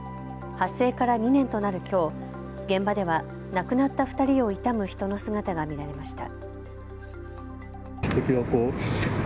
発生から２年となるきょう、現場では亡くなった２人を悼む人の姿が見られました。